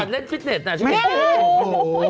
มันก่อนเล่นฟิตเนสน่ะชิคกี้พาย